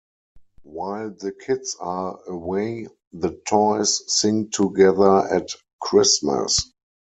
While the kids are away, the toys sing Together at Christmas.